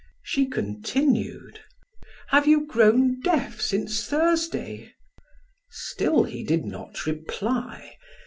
She continued: "Have you grown deaf since Thursday?" Still he did not reply.